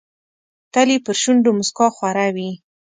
تل یې پر شونډو موسکا خوره وي.